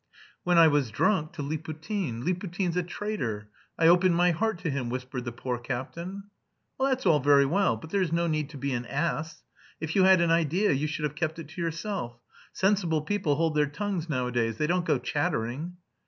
"When I was drunk, to Liputin. Liputin's a traitor. I opened my heart to him," whispered the poor captain. "That's all very well, but there's no need to be an ass. If you had an idea you should have kept it to yourself. Sensible people hold their tongues nowadays; they don't go chattering."